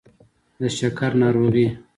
د شکر ناروغي